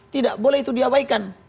tidak boleh itu diabaikan